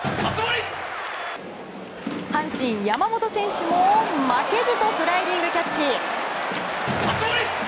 阪神、山本選手も負けじとスライディングキャッチ。